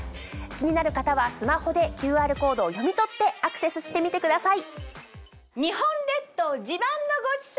気になる方はスマホでＱＲコードを読み取ってアクセスしてみてください。